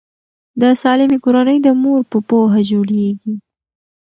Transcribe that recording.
د سالمې کورنۍ د مور په پوهه جوړیږي.